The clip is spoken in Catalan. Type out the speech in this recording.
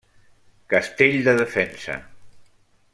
Castell de defensa.